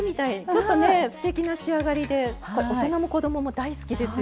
ちょっとねステキな仕上がりで大人も子どもも大好きですよね。